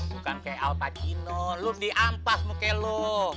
bukan kayak al pacino lu diampas muka lu